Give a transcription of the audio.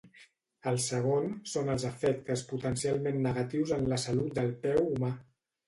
El segon són els efectes potencialment negatius en la salut del peu humà.